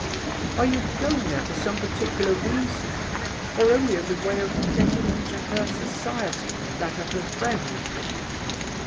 "Are you going there for some particular reason, or only as a way of getting into her society, and that of her friends?"